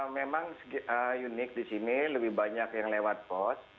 memang unik di sini lebih banyak yang lewat pos